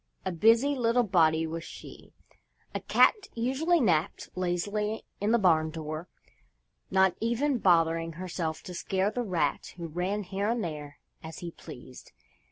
A busy little body was she! A cat usually napped lazily in the barn door, not even bothering herself to scare the rat who ran here and there as he pleased.